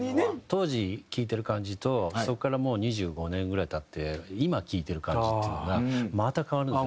当時聴いてる感じとそこからもう２５年ぐらい経って今聴いてる感じっていうのがまた変わるんですよ。